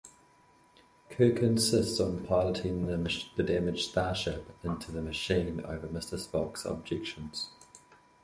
Kirk insists on piloting the damaged Starship into the machine over Mr. Spock's objections.